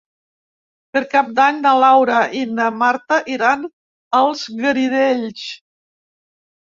Per Cap d'Any na Laura i na Marta iran als Garidells.